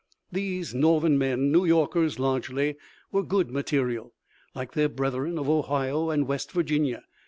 These Northern men, New Yorkers largely, were good material, like their brethren of Ohio and West Virginia.